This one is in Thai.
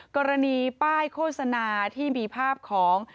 กรณีป้ายโฆษณาที่มีภาพของ